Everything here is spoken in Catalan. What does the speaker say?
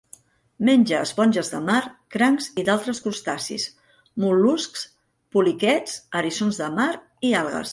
Menja esponges de mar, crancs i d'altres crustacis, mol·luscs, poliquets, eriçons de mar i algues.